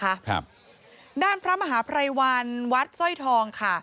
ครับด้านพระมหาภัยวันวัดสร้อยทองค่ะ